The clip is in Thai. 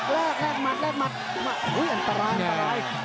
แรกหมัดแรกหมัดอุ๊ยอันตรายอันตราย